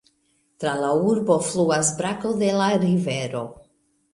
Tra la urbo fluas brako de la rivero.